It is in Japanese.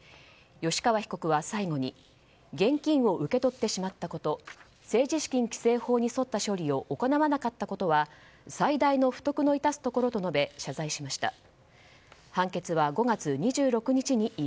吉川被告は、最後に現金を受け取ってしまったこと政治資金規正法に沿った処理を行わなかったことは最大の不徳の致すところと述べ謝罪しました。